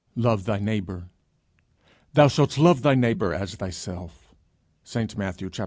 LOVE THY NEIGHBOUR Thou shalt love thy neighbor as thyself. ST MATTHEW xxii.